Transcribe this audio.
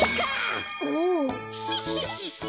シッシッシッシ。